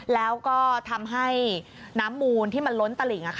แล้วก็ทำให้น้ำมูลที่มันล้นตลิ่ง